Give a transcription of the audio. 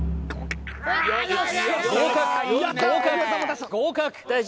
合格合格合格